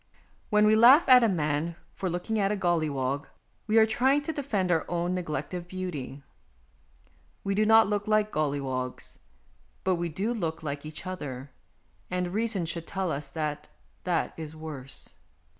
When we laugh at a man for looking at a golliwog, we are trying to defend our own neglect of beauty. We do not look like golliwogs, but we do look like 112 MONOLOGUES each other, and reason should tell us that that is worse.